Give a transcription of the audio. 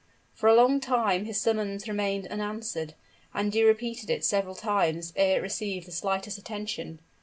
For a long time his summons remained unanswered; and he repeated it several times ere it received the slightest attention.